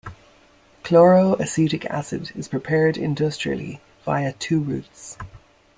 Chloroacetic acid is prepared industrially via two routes.